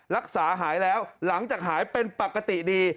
รักษาหายแล้วหลังจากหายเป็นปกติดี